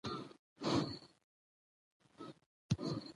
دسوال او ځواب ميتود: